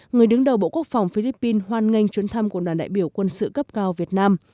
người đứng đầu bộ quốc phòng philippines hoan nghênh chuyến thăm của đoàn đại biểu quân sự cấp cao việt nam